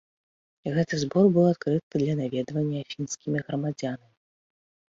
Гэты збор быў адкрыта для наведвання афінскімі грамадзянамі.